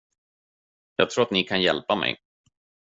Jag tror att ni kan hjälpa mig.